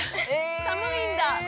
寒いんだ。